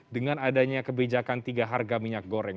dengan adanya kebijakan tiga harga minyak goreng